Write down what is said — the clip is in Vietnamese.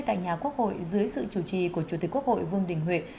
tại nhà quốc hội dưới sự chủ trì của chủ tịch quốc hội vương đình huệ